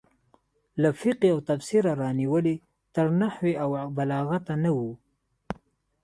له فقهې او تفسیره رانیولې تر نحو او بلاغته نه وو.